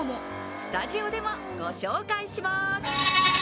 スタジオでもご紹介します。